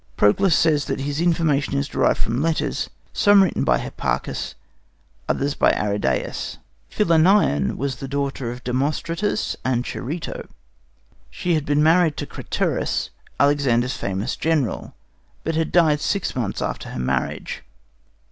Proclus says that his information is derived from letters, "some written by Hipparchus, others by Arrhidæus." Philinnion was the daughter of Demostratus and Charito. She had been married to Craterus, Alexander's famous General, but had died six months after her marriage.